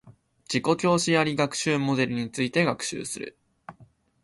自己教師あり学習モデルについて勉強する